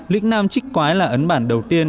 lĩnh nam trích quái là ấn bản đầu tiên